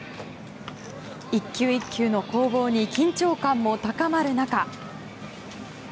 一球一球の攻防に緊張感も高まる中。